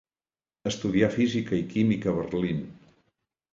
Estudià física i química a Berlín.